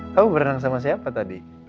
kamu berenang sama siapa tadi